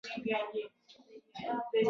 د ټولنې بقاء په عدالت پورې تړلې ده.